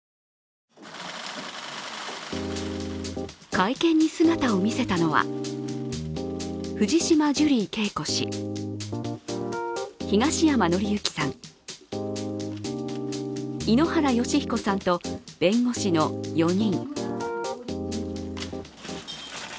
会見に姿を見せたのは藤島ジュリー景子氏、東山紀之さん、井ノ原快彦さんと弁護士の４人。